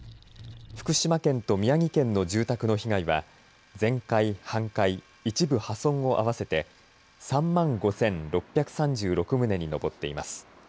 福島県と宮城県の住宅の被害は全壊、半壊、一部破損を合わせて３万５６３６棟に上っています。